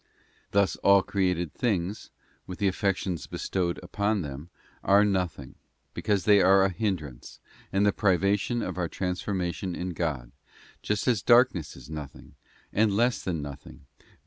Thus all created things, with the affec tions bestowed upon them, are nothing, because they are a hindrance, and the privation of our transformation in God, just as darkness is nothing, and less than nothing, being the *§.